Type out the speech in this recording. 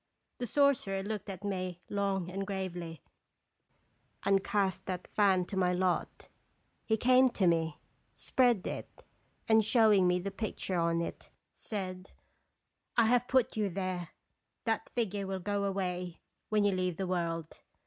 The sorcerer looked at me long and gravely, and cast that fan to my lot. He came to me, spread it, and, showing me the picture on it, said: "I have put you there. That figure will go away when you leave the world.